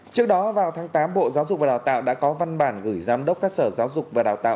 trước đó vào tháng tám bộ giáo dục và đào tạo đã có văn bản gửi giám đốc các sở giáo dục và đào tạo